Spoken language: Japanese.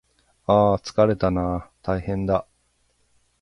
ああああつかれたなああああたいへんだ